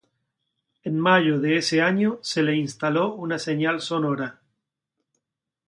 En mayo de ese año se le instaló una señal sonora.